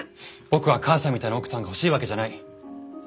僕は母さんみたいな奥さんが欲しいわけじゃない。